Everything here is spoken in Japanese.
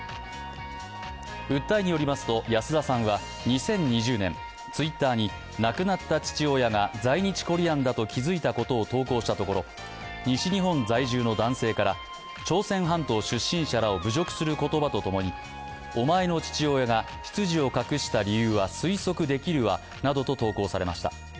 訴えによりますと、安田さんは２０２０年、Ｔｗｉｔｔｅｒに亡くなった父親が在日コリアンだと気づいたことを投稿したところ西日本在住の男性から朝鮮半島出身者らを侮辱する言葉とともにおまえの父親が出自を隠した理由は推測できるわなどと投稿されました。